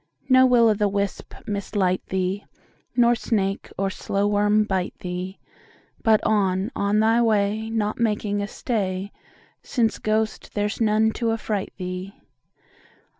5 No Will o' the wisp mislight thee, Nor snake or slow worm bite thee; But on, on thy way Not making a stay, Since ghost there 's none to affright thee.